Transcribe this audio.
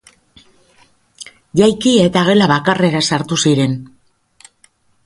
Jaiki, eta gela bakarrera sartu ziren.